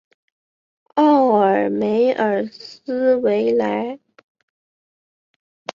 奥尔梅尔斯维莱。